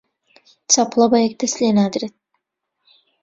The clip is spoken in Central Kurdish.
چەپڵە بە یەک دەست لێ نادرێت